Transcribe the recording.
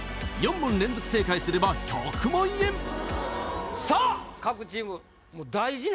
４問連続正解すれば１００万円さあ